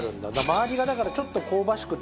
周りがだからちょっと香ばしく